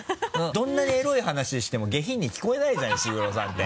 どんなにエロい話しても下品に聞こえないじゃん石黒さんて。